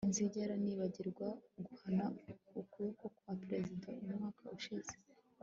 inzigera nibagirwa guhana ukuboko kwa Perezida umwaka ushize